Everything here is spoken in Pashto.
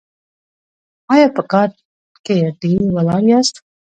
ایا په کار کې ډیر ولاړ یاست؟